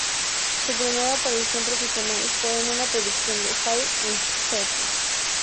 Su primera aparición profesional fue en una producción de Hair en Seattle.